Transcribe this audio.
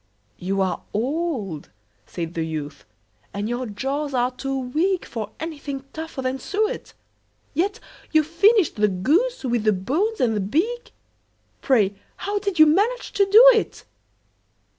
"You are old," said the youth, "and your jaws are too weak For anything tougher than suet; Yet you finished the goose, with the bones and the beak Pray, how did you manage to do it?"